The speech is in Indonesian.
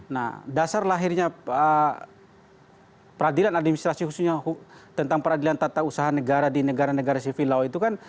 nah dasar lahirnya peradilan administrasi khususnya tentang peradilan tata usaha negara di negara negara sivil law itu kan